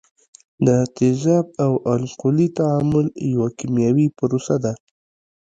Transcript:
د تیزاب او القلي تعامل یو کیمیاوي پروسه ده.